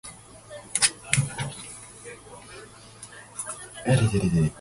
After the execution has terminated, the result is sent back to the client.